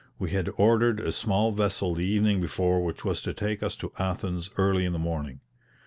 We had ordered a small vessel the evening before which was to take us to Athens early in the morning.